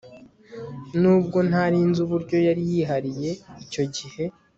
nubwo ntari nzi uburyo yari yihariye icyo gihe